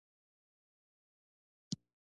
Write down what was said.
دریابونه د افغانستان په اوږده تاریخ کې ذکر شوی دی.